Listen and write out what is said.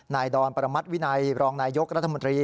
ดอนประมัติวินัยรองนายยกรัฐมนตรี